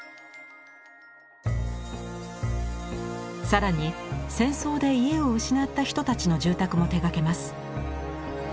更に戦争で家を失った人たちの住宅も手がけます。